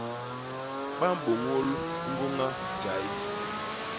Ba mbôñôl ñgôña jay.